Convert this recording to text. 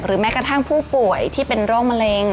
แม้กระทั่งผู้ป่วยที่เป็นโรคมะเร็ง